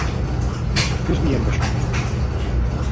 Fes via amb això.